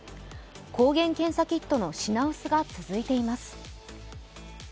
抗原検査キットの品薄が続いています。